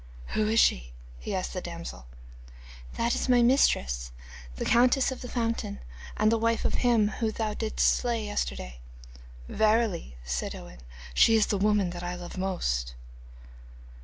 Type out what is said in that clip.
'Who is she?' he asked the damsel. 'That is my mistress, the countess of the fountain, and the wife of him whom thou didst slay yesterday.' 'Verily,' said Owen, 'she is the woman that I love best.